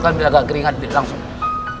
kalau dia agak keringat langsung